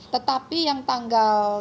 tetapi yang tanggal lima agustus